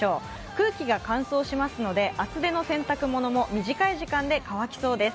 空気が乾燥しますので、厚手の洗濯物も短い時間で乾きそうです。